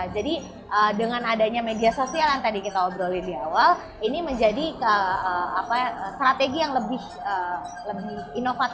jadi dengan adanya media sosial yang tadi kita obrolin di awal ini menjadi strategi yang lebih inovatif lagi untuk pembangunan